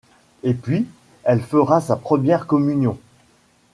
Et puis elle fera sa première communion.